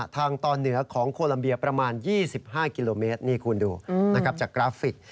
ทางตอนเหนือของโคลัมเบียประมาณ๒๕กิโลเมตรนี่คุณดูนะครับจากกราฟิก